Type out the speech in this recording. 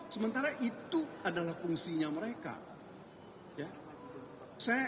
sementara itu adalah fungsinya mereka